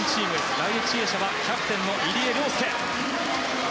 第１泳者はキャプテンの入江陵介。